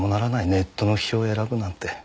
ネットの批評を選ぶなんて。